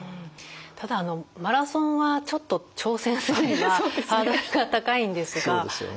ただマラソンはちょっと挑戦するにはハードルが高いんですが。